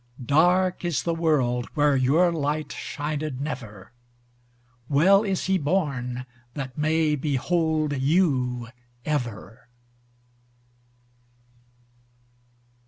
Dark is the world, where your light shined never; Well is he born, that may behold you ever.